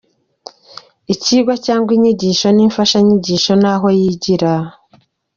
Icyigwa cyangwa inyigisho n’imfashanyigisho naho yigira !